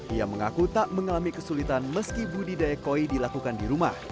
ia mengaku tak mengalami kesulitan meski budidaya koi dilakukan di rumah